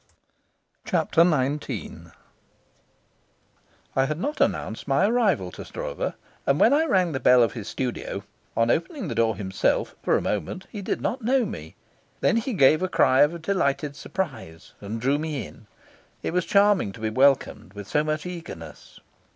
Chapter XIX I had not announced my arrival to Stroeve, and when I rang the bell of his studio, on opening the door himself, for a moment he did not know me. Then he gave a cry of delighted surprise and drew me in. It was charming to be welcomed with so much eagerness.